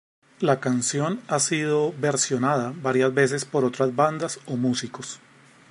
La canción ha sido versionada varias veces por otras bandas o músicos.